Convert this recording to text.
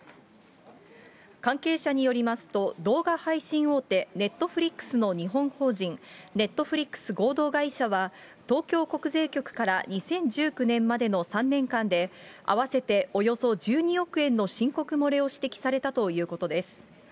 関係者によりますと、動画配信大手、ネットフリックスの日本法人ネットフリックス合同会社は、東京国税局から２０１９年までの３年間で、合わせておよそ１２億円の申告漏れを指摘されたということです。